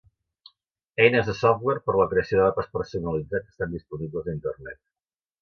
Eines de software per a la creació de mapes personalitzats estan disponibles a Internet.